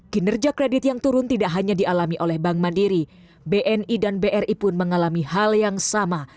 kinerja kredit yang turun tidak hanya dialami oleh bank mandiri bni dan bri pun mengalami hal yang sama